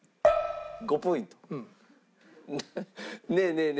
ねえねえね